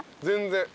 全然。